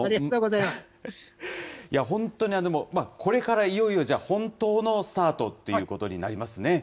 いや、本当にこれからいよいよ、じゃあ、本当のスタートっていうことになりますね。